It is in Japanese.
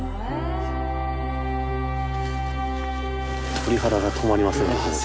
・鳥肌が止まりませんね。